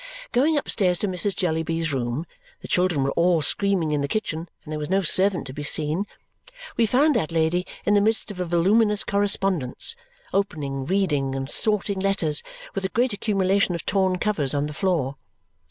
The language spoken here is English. Going upstairs to Mrs. Jellyby's room (the children were all screaming in the kitchen, and there was no servant to be seen), we found that lady in the midst of a voluminous correspondence, opening, reading, and sorting letters, with a great accumulation of torn covers on the floor.